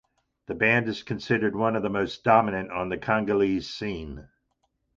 The band is considered one of the most dominant on the Congolese scene.